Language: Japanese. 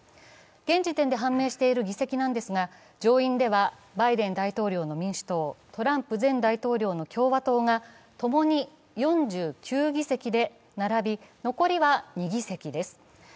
現時点で判明している議席ですが、上院ではバイデン大統領の民主党、トランプ前大統領の共和党が共に４９議席並び、残りは２議席です。